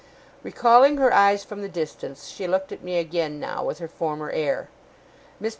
Recalling her eyes from the distance, she looked at me again now, with her former air. Mr.